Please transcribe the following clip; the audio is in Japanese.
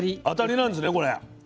当たりなんですねこれ。